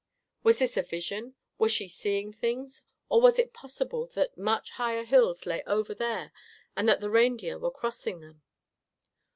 Was this a vision? Was she "seeing things," or was it possible that much higher hills lay over there and that the reindeer were crossing them?